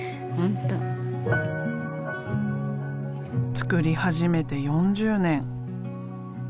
作り始めて４０年。